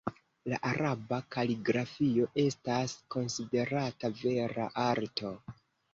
La araba kaligrafio estas konsiderata vera arto.